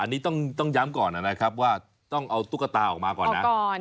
อันนี้ต้องย้ำก่อนนะครับว่าต้องเอาตุ๊กตาออกมาก่อนนะ